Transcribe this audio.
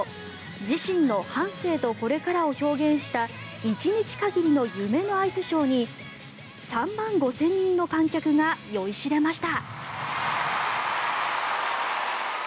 自身の半生とこれからを表現した１日限りの夢のアイスショーに３万５０００人の観客が酔いしれました。